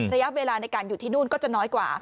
ระยะเวลาในการอยู่ที่นู่นก็จะน้อยกว่า